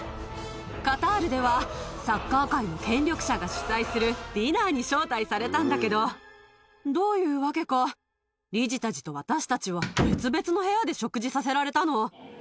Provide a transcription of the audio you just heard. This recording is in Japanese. カタールではサッカー界の権力者が主催するディナーに招待されたんだけど、どういうわけか、理事たちと私たちは別々の部屋で食事させられたの。